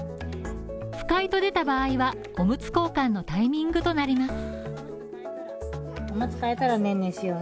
不快と出た場合は、おむつ交換のタイミングとなります。